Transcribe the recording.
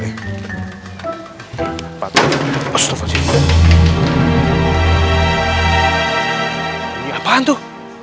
ini apaan tuh